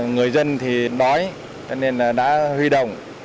người dân thì đói nên đã huy động